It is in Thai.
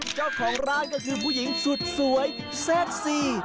เจ้าของร้านก็คือผู้หญิงสุดสวยเซ็กซี่